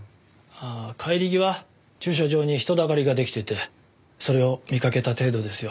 帰り際駐車場に人だかりができててそれを見かけた程度ですよ。